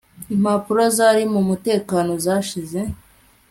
Impapuro zari mumutekano zashize